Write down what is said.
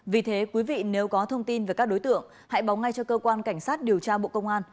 vì thế quý vị nếu có thông tin về các đối tượng hãy báo ngay cho cơ quan cảnh sát điều tra bộ công an